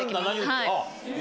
はい。